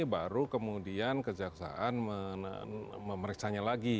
baru kemudian kejaksaan memeriksa nya lagi